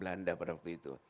untuk kita berkembang